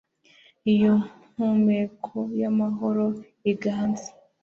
iyo mpumeko y'amahoro iganze